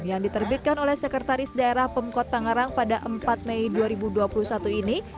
yang diterbitkan oleh sekretaris daerah pemkot tangerang pada empat mei dua ribu dua puluh satu ini